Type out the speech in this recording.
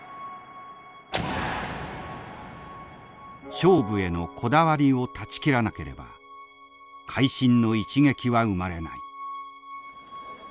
勝負へのこだわりを断ち切らなければ会心の一撃は生まれない。